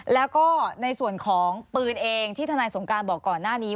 แล้วก็ในส่วนของปืนเองที่ทนายสงการบอกก่อนหน้านี้